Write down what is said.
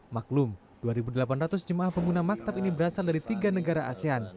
maklum dua delapan ratus jemaah pengguna maktab ini berasal dari tiga negara asean